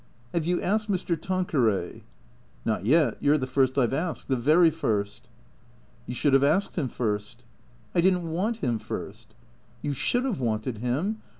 " Have you asked Mr. Tanqueray ?"" Not yet. You 're the first I 've asked. The very first." " You should have asked him first." " I did n't want him first." "You should have wanted him.